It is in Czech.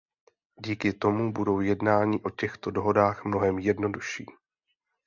Díky tomu budou jednání o těchto dohodách mnohem jednodušší.